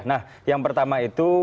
nah yang pertama itu